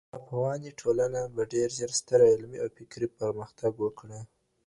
افغاني ټولنه به ډېر ژر ستر علمي او فکري پرمختګ وکړي.